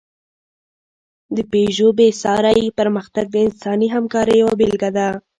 د پيژو بېساری پرمختګ د انساني همکارۍ یوه بېلګه ده.